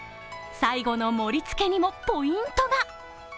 最後の盛りつけにもポイントが。